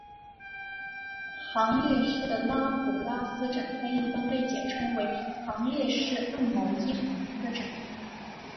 行列式的拉普拉斯展开一般被简称为行列式按某一行的展开。